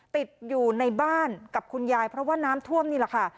ติดอยู่ในบ้านกับคุณยายเพราะว่าน้ำท่วมนี่แหละค่ะ